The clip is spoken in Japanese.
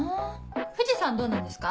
藤さんどうなんですか？